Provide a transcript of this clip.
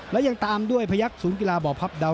และยังตามด้วยพยักษ์ศูนย์กีฬาบ่อพับเดา